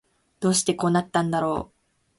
どうしてこうなったんだろう